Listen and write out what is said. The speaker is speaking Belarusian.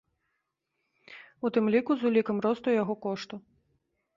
У тым ліку з улікам росту яго кошту.